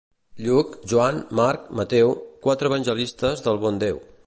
Lluc, Joan, Marc, Mateu, quatre evangelistes del bon Déu.